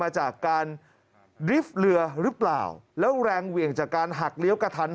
จะเป็นไร